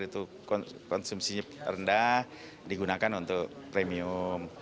itu konsumsinya rendah digunakan untuk premium